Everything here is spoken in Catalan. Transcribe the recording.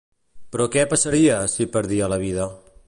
Però què passaria, si perdia la vida?